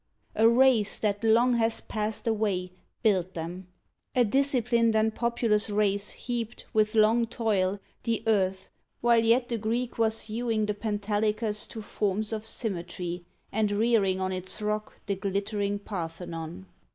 A race, that long has passed away, Built them; a disciplined and populous race Heaped, with long toil, the earth, while yet the Greek Was hewing the Pentelicus to forms Of symmetry, and rearing on its rock The glittering Parthenon.